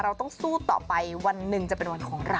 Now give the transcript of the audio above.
เราต้องสู้ต่อไปวันหนึ่งจะเป็นวันของเรา